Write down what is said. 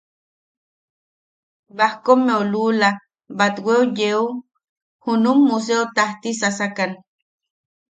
Bahkommeu luula batweu yeu junum Museo tajtia sasakan.